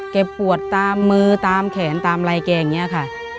ปวดตามมือตามแขนตามอะไรแกอย่างนี้ค่ะ